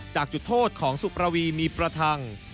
จากจุดโทษของสุประวีมีประทัง